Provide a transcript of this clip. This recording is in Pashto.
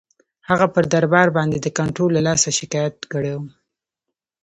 هغه پر دربار باندي د کنټرول له لاسه شکایت کړی وو.